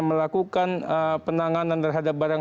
melakukan penanganan terhadap barang